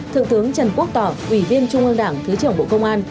thượng tướng trần quốc tỏ ủy viên trung ương đảng thứ trưởng bộ công an